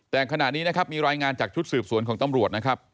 แต่ขณะนี้นะครับมีรายงานจากชุดสืบสวนของตำรวจนะครับ